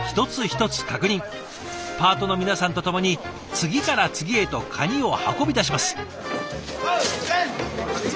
パートの皆さんと共に次から次へとカニを運び出します。